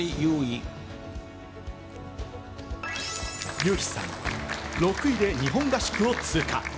ユウヒさん、６位で日本合宿を通過。